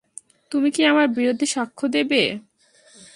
তুমি কি আমার বিরুদ্ধে সাক্ষ্য দেবে?